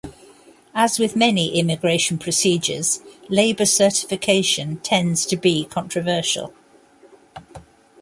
As with many immigration procedures, labor certification tends to be controversial.